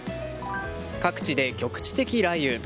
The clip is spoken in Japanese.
各地で局地的雷雨。